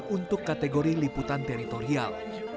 untuk kategori liputan teritorial